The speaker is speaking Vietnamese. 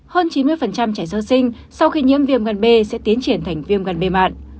hơn chín mươi trẻ sơ sinh sau khi nhiễm viêm gan b sẽ tiến triển thành viêm gan bề mạng